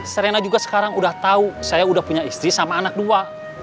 serena juga sekarang udah tahu saya udah punya istri sama anak dua